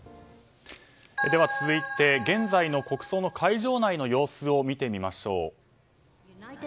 続いて、現在の国葬の会場内の様子を見てみましょう。